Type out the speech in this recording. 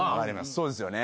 そうですよね。